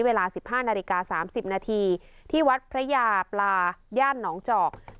เวลา๑๕นาฬิกา๓๐นาทีที่วัดพระยาปลาย่านหนองจอก